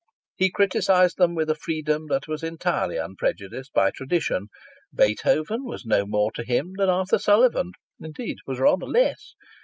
He criticized them with a freedom that was entirely unprejudiced by tradition. Beethoven was no more to him than Arthur Sullivan indeed, was rather less.